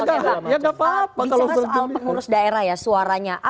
bisa soal pengurus daerah ya suaranya